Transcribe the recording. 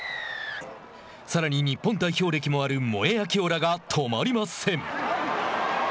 さらに日本代表歴もあるモエアキオラが止まりません。